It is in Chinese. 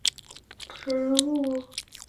大杜若为鸭跖草科杜若属的植物。